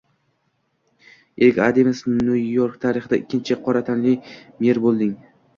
Erik Adams Nyu-York tarixida ikkinchi qora tanli mer bo‘lding